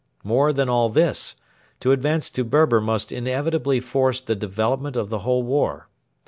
More than all this: to advance to Berber must inevitably force the development of the whole war.